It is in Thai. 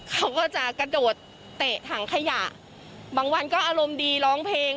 เขาก็จะกระโดดเตะถังขยะบางวันก็อารมณ์ดีร้องเพลง